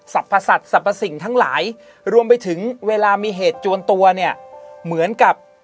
พสัตว์สรรพสิ่งทั้งหลายรวมไปถึงเวลามีเหตุจวนตัวเนี่ยเหมือนกับ